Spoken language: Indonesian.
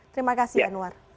terima kasih yanwar